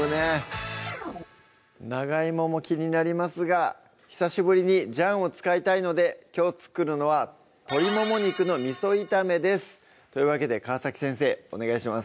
長芋も気になりますが久しぶりにジャンを使いたいのできょう作るのは「鶏もも肉の味炒め」ですというわけで川先生お願いします